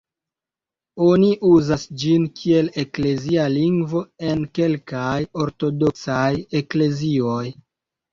Oni uzas ĝin kiel eklezia lingvo en kelkaj Ortodoksaj eklezioj.